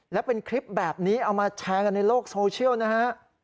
และเป็นคลิปแบบนี้เอามาแชร์กันในโลกโซเชียลนะฮะ